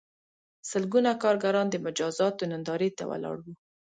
سلګونه کارګران د مجازاتو نندارې ته ولاړ وو